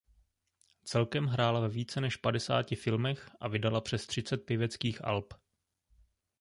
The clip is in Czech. Celkem hrála ve více než padesáti filmech a vydala přes třicet pěveckých alb.